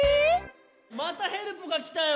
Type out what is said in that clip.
またヘルプがきたよ。